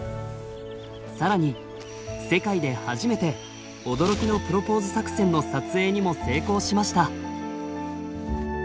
更に世界で初めて驚きのプロポーズ作戦の撮影にも成功しました。